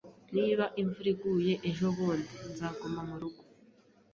Niba imvura iguye ejobundi, nzaguma murugo